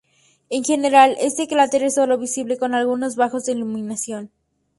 En general, este cráter es solo visible con ángulos bajos de iluminación.